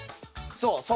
そう。